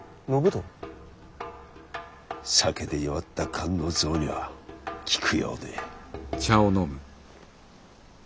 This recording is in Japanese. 酒で弱った肝の臓には効くようで。